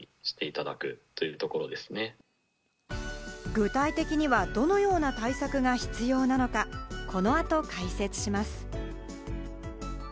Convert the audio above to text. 具体的にはどのような対策が必要なのか、この後、解説します。